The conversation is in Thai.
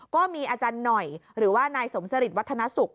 ก็มีอาจารย์หน่อยหรือว่านายสมสริทวัฒนสุข